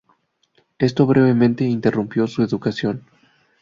Esto brevemente interrumpió su educación.